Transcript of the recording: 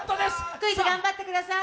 クイズ頑張ってください。